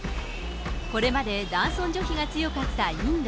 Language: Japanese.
これまで男尊女卑が強かったインド。